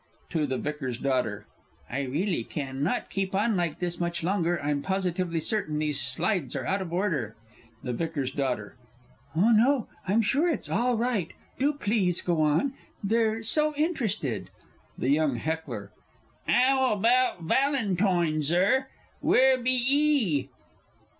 (To the VICAR'S DAUGHTER.) "I really can not keep on like this much longer. I'm positively certain these slides are out of order!" THE V.'S D. "Oh, no; I'm sure it's all right. Do please go on. They're so interested!" THE YOUNG HECKLER. "'Ow 'bout Valentoine, Zur? wheer be 'ee?"